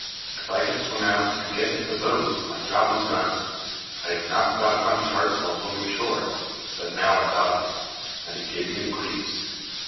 If I could swim out and get into the boat, my job was done. I had not thought upon sharks while swimming ashore, but now I thought of them, and it gave me the creeps.